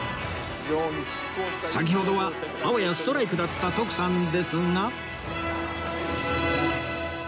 先ほどはあわやストライクだった徳さんですが